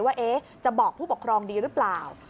ว่าจะบอกผู้ปกครองดีหรือเปล่า